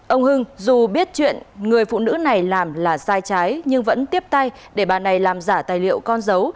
ông hưng dù biết chuyện người phụ nữ này làm là sai trái nhưng vẫn tiếp tay để bà này làm giả tài liệu con dấu